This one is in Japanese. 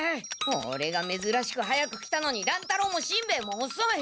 オレがめずらしく早く来たのに乱太郎もしんべヱもおそい！